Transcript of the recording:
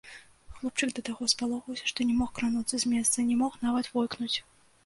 Хлопчык да таго спалохаўся, што не мог крануцца з месца, не мог нават войкнуць.